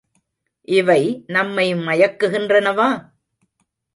இவை நம்மை மயக்குகின்றனவா?